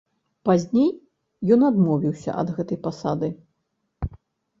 Пазней ён адмовіўся ад гэтай пасады.